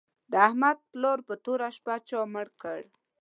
د احمد پلار په توره شپه چا مړ کړ